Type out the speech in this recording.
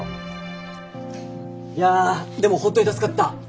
いやでも本当に助かった。